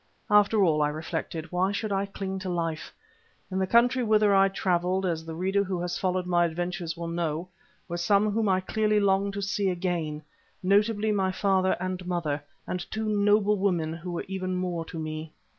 After all, I reflected, why should I cling to life? In the country whither I travelled, as the reader who has followed my adventures will know, were some whom I clearly longed to see again, notably my father and my mother, and two noble women who were even more to me.